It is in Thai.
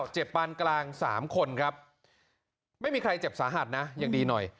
ปานกลาง๓คนครับไม่มีใครเจ็บสาหัสนะยังดีหน่อย